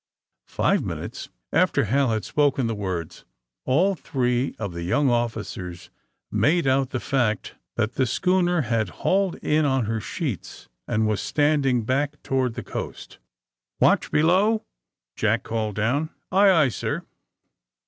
'' Five minutes after Hal had spoken the words all three of the young officers made out the fact that the schooner had hauled in on her sheets and was standing back toward the coast. '* Watch below," Jack called down. 'Aye, aye, sir."